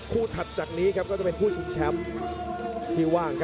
คู่ถัดจากนี้ก็จะเป็นผู้ชิงแชมป์ที่ว่าง